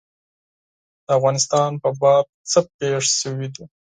د افغانستان په باب څه پېښ شوي دي.